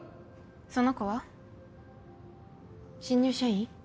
その子は？新入社員？